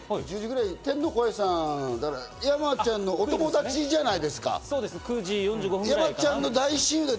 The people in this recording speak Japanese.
天の声さん、山ちゃんのお友達じゃないですか。